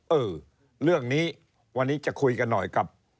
เออเรื่องนี้วันนี้จะคุยกันหน่อยกับ